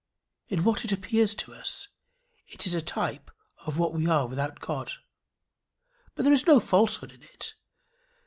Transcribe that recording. In what it appears to us, it is a type of what we are without God. But there is no falsehood in it.